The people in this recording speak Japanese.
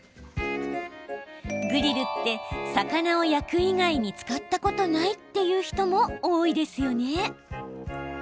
グリルって魚を焼く以外に使ったことないっていう人も多いですよね。